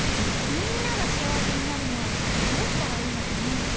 みんなが幸せになるにはどうしたらいいのかな？